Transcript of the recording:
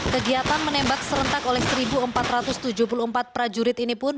kegiatan menembak serentak oleh satu empat ratus tujuh puluh empat prajurit ini pun